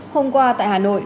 hôm qua tại hà nội